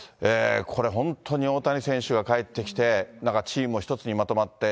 これ、本当に大谷選手が帰ってきて、チームも一つにまとまって。